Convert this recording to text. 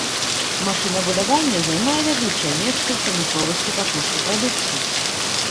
Машынабудаванне займае вядучае месца ў прамысловасці па кошце прадукцыі.